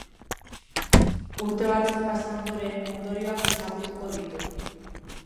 Urte batzuk pasa ondoren, ondorioak ezagutuko ditu.